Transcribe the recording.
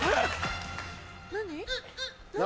何？